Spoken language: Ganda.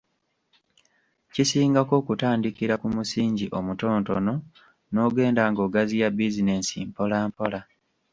Kisingako okutandikira ku musingi omutonotono n’ogenda ng’ogaziya bizinensi mpolampola.